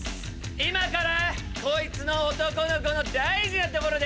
今からこいつの男の子の大事な所で